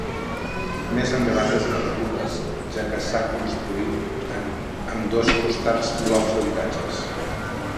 Més endavant desaparegudes, ja que s'ha construït en ambdós costats blocs d'habitatges.